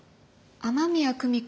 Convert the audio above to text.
雨宮久美子